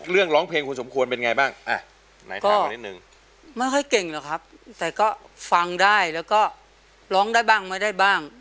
เรื่องร้องเพลงคุณสมควรเป็นไงบ้างไม่ค่อยเก่งหรอกครับแต่ก็ฟังได้แล้วก็ร้องได้บ้างไม่ได้บ้าง